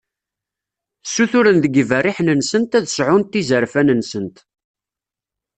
Ssuturen deg yiberriḥen-nsent ad sɛunt izerfan-nsent.